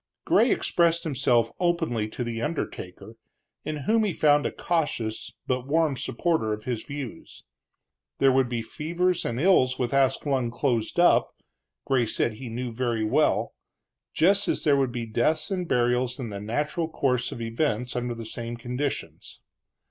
Gray expressed himself openly to the undertaker, in whom he found a cautious, but warm supporter of his views. There would be fevers and ills with Ascalon closed up, Gray said he knew very well, just as there would be deaths and burials in the natural course of events under the same conditions.